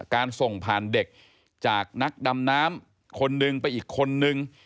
การส่งผ่านเด็กจากนักดำน้ำคนนึงไปอีกคนนึง